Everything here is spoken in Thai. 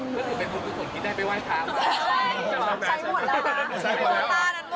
ได้ไปไว้ทาง